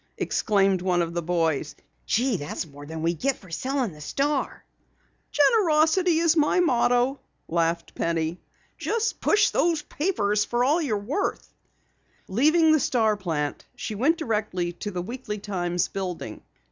exclaimed one of the boys. "Gee, that's more than we get for selling the Star!" "Generosity is my motto," laughed Penny. "Just push those papers for all you're worth." Leaving the Star plant, she went directly to the Weekly Times building.